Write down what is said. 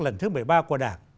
lần thứ một mươi ba của đảng